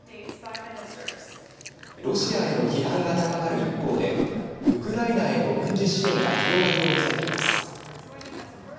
ロシアへの批判が高まる一方でウクライナへの軍事支援が広がりを見せています。